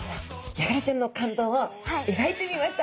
ヤガラちゃんの感動を描いてみました。